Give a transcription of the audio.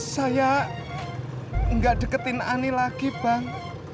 saya nggak deketin ani lagi bang